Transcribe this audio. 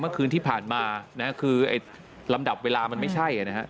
เมื่อคืนที่ผ่านมานะฮะคือไอ้ลำดับเวลามันไม่ใช่นะครับ